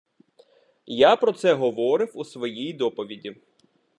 Я про це говорив у своїй доповіді.